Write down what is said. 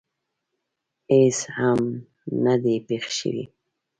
هېڅ هم نه دي پېښ شوي.